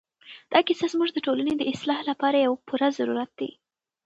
دا کیسه زموږ د ټولنې د اصلاح لپاره یو پوره ضرورت دی.